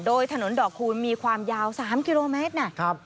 โดยถนนดอกคูณมีความยาว๓กิโลเมตรนะ